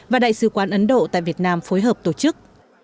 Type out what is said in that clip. và đại sứ quán ấn độ tại việt nam phối hợp tổ chức